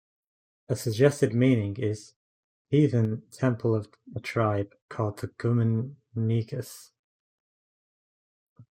A suggested meaning is "heathen temple of a tribe called the Gumeningas".